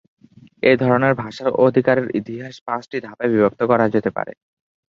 এই ধরনের ভাষার অধিকারের ইতিহাস পাঁচটি ধাপে বিভক্ত করা যেতে পারে।